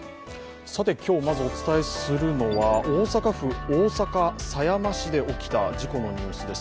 今日まずお伝えするのは大阪府狭山市で起きた事故です。